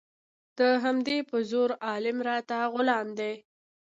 د همدې په زور عالم راته غلام دی